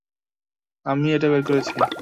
আমি এটা বের করছি।